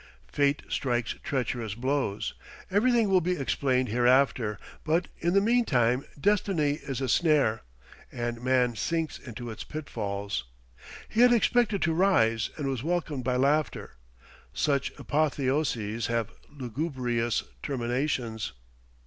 Fate strikes treacherous blows. Everything will be explained hereafter, but, in the meantime, destiny is a snare, and man sinks into its pitfalls. He had expected to rise, and was welcomed by laughter. Such apotheoses have lugubrious terminations.